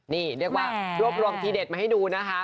นี่เรียกว่ารวบรวมทีเด็ดมาให้ดูนะคะ